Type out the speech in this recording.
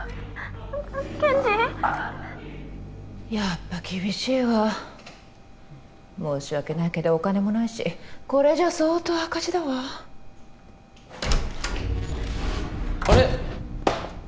やっぱ厳しいわ申し訳ないけどお金もないしこれじゃ相当赤字だわあれ？